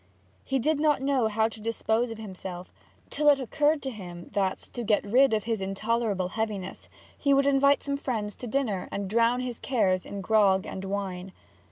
He did not know how to dispose of himself, till it occurred to him that, to get rid of his intolerable heaviness, he would invite some friends to dinner and drown his cares in grog and wine.